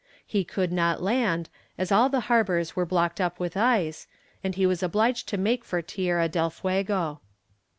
He could not land, as all the harbours were blocked up with ice, and he was obliged to make for Tierra del Fuego.